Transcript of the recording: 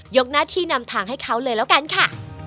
กหน้าที่นำทางให้เขาเลยแล้วกันค่ะ